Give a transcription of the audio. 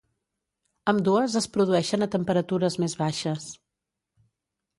Ambdues es produeixen a temperatures més baixes.